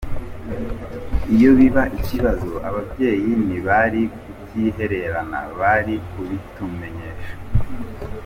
Iyo biba ikibazo ababyeyi ntibari kubyihererana bari kubitumenyesha.